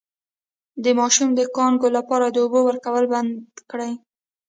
د ماشوم د کانګو لپاره د اوبو ورکول بند کړئ